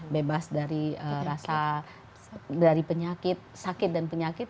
bebas dari rasa sakit dan penyakit